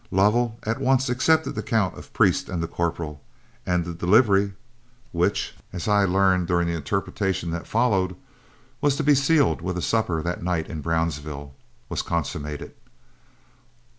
Lovell at once accepted the count of Priest and the corporal; and the delivery, which, as I learned during the interpreting that followed, was to be sealed with a supper that night in Brownsville, was consummated.